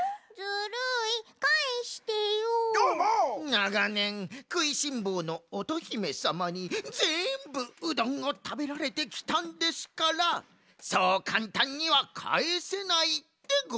ながねんくいしんぼうの乙姫さまにぜんぶうどんをたべられてきたんですからそうかんたんにはかえせないでございます。